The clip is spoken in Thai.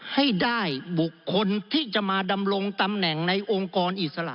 ให้ได้บุคคลที่จะมาดำรงตำแหน่งในองค์กรอิสระ